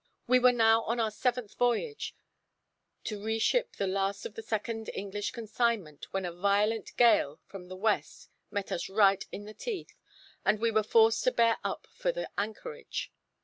We were now on our seventh voyage, to reship the last of the second English consignment, when a violent gale from the west met us right in the teeth, and we were forced to bear up for the anchorage.